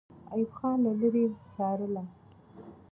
ایوب خان له لرې څارله.